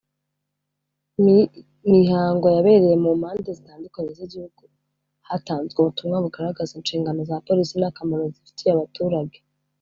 Mi mihango yabereye mu mpande zitandukanye z’igihugu hatanzwe ubutumwa bugaragaza inshingano za Polisi n’akamaro zifitiye abaturage